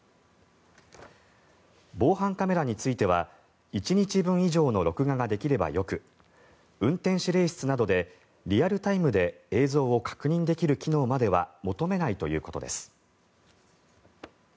防犯カメラについては１日分以上の録画ができればよく運転指令室などでリアルタイムで映像を確認できる機能までは求めないということです。